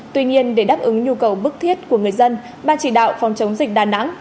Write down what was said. tuy nhiên để đáp ứng nhu cầu bức thiết của người dân ban chỉ đạo phòng chống dịch đà nẵng